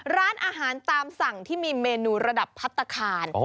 ร้านอาหารตามสั่งที่มีเมนูระดับพัฒนาคาร